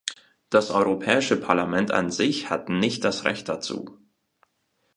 Das Europäische Parlament an sich hat nicht das Recht dazu.